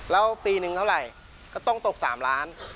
แล้วปีหนึ่งเท่าไรก็ต้องตก๓ล้านบาท